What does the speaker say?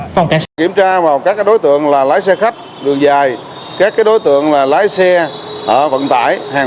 phòng cán xe được kiểm tra và các đối tượng là lái xe khách đường dài các đối tượng là lái xe vận tải hàng